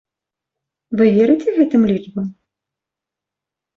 Вы верыце гэтым лічбам?